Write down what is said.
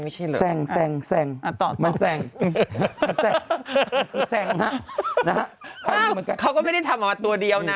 ไม่ใช่เหรอแซ่งต่อมันแซ่งมันแซ่งค่ะเขาก็ไม่ได้ทำมาตัวเดียวนะ